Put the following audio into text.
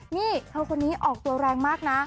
นี่เธอคนนี้ออกตัวแรงมากนะ